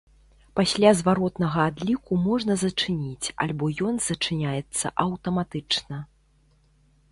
Пасля зваротнага адліку можна зачыніць альбо ён зачыняецца аўтаматычна.